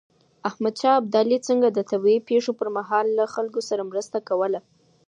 احمد شاه ابدالي څنګه د طبیعي پېښو پر مهال له خلګو سره مرسته کوله؟